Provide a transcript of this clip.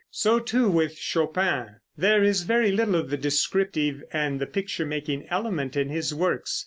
So, too, with Chopin. There is very little of the descriptive and the picture making element in his works.